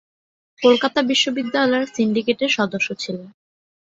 কলকাতা বিশ্ববিদ্যালয়ের সিন্ডিকেটের সদস্য ছিলেন।